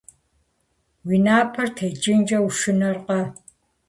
Уи напэр текӀынкӀэ ушынэркъэ?